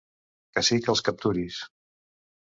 Que sí que els capturis.